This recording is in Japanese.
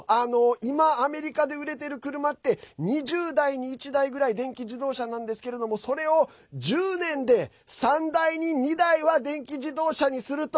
今、アメリカで売れている車って２０台に１台ぐらい電気自動車なんですけれどもそれを１０年で３台に２台は電気自動車にすると。